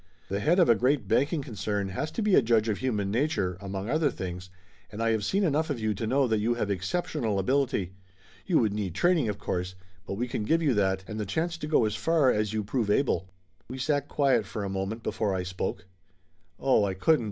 "The head of a great banking concern has to be a judge of human nature, among other things, and I have seen enough of you to know that you have exceptional ability. You would need training, of course, but we can give you that, and the chance to go as far as you prove able." We sat quiet for a moment before I spoke. "Oh, I couldn't!"